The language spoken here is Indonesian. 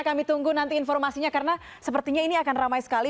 kami tunggu nanti informasinya karena sepertinya ini akan ramai sekali